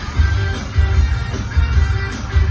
ใช่ครับ